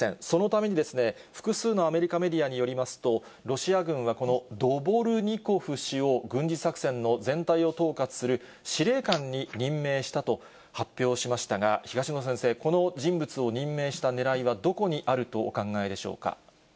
そのために、複数のアメリカメディアによりますと、ロシア軍はこのドボルニコフ氏を、軍事作戦の全体を統括する司令官に任命したと発表しましたが、東野先生、この人物を任命したねらいはどこにあるとお考えでしょうか。